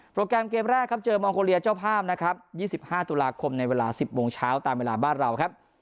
โปรแกรมเกมแรกเจอมองโกเลียเจ้าพร่าม๒๕ตุลาคมในเวลา๑๐โมงเช้าตามเวลาบ้านเรา